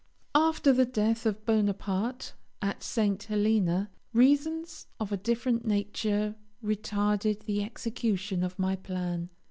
After the death of Bonaparte, at St. Helena, reasons of a different nature retarded the execution of my plan.